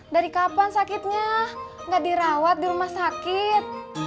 dari kapan sakitnya nggak dirawat di rumah sakit